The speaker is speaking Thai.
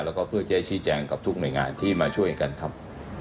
แล้วก็เพื่อจะชี้แจงกับทุกหน่วยงานที่มาช่วยกันครับ